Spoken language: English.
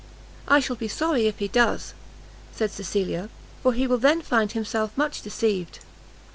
"I shall be sorry if he does," said Cecilia, "for he will then find himself much deceived."